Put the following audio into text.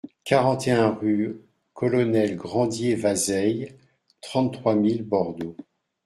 quarante et un rue Colonel Grandier-Vazeille, trente-trois mille Bordeaux